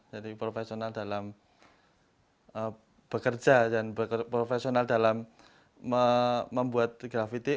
jadi profesional dalam bekerja dan profesional dalam membuat grafiti